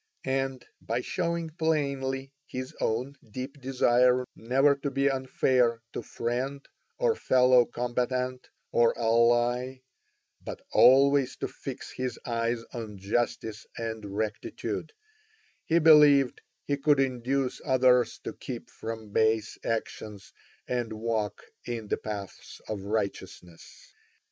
And by showing plainly his own deep desire never to be unfair to friend or fellow combatant or ally, but always to fix his eyes on justice and rectitude, he believed he could induce others to keep from base actions and walk in the paths of righteousness.